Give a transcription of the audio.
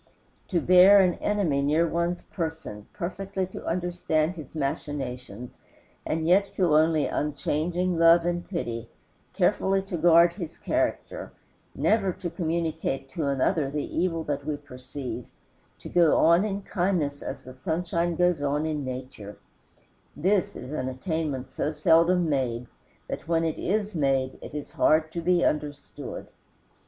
To bear an enemy near one's person, perfectly to understand his machinations, and yet feel only unchanging love and pity, carefully to guard his character, never to communicate to another the evil that we perceive, to go on in kindness as the sunshine goes on in nature this is an attainment so seldom made that when made it is hard to be understood.